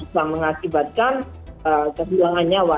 yang mengakibatkan kehilangan nyawa